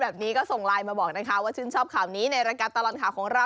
เย็นเวลากินผลมงกระไม้ให้มันติดกงติดทอไปนะ